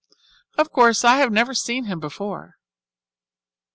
Of course, I have never seen him before.